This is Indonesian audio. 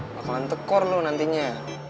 bakalan tekor lu nantinya